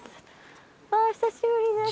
あ久しぶりです。